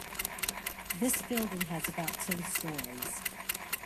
This building has about ten storeys.